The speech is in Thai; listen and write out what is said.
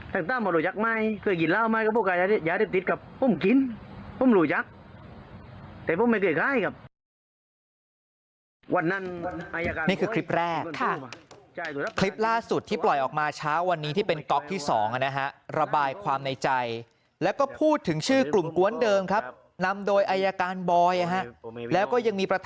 ทั้งตั้งผมหลุยยักษ์ไม่เกิดหยินเล่าไม่กับพวกอาหารยาเรียบทิศครับ